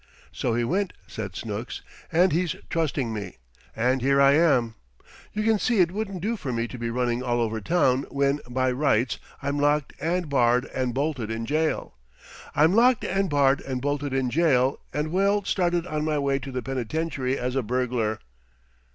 "So he went," said Snooks, "and he's trusting me, and here I am. You can see it wouldn't do for me to be running all over town when, by rights, I'm locked and barred and bolted in jail. I'm locked and barred and bolted in jail, and well started on my way to the penitentiary as a burglar."